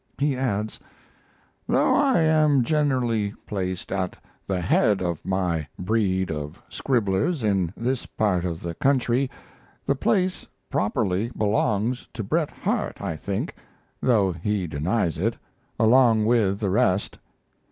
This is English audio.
He adds: Though I am generally placed at the head of my breed of scribblers in this part of the country, the place properly belongs to Bret Harte, I think, though he denies it, along with the rest.